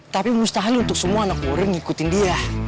tapi mustahil untuk semua anak burung ngikutin dia